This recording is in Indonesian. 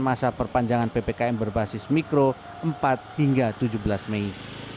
masa perpanjangan ppkm berbasis mikro empat hingga tujuh belas mei